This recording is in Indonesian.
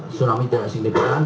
tsunami tidak signifikan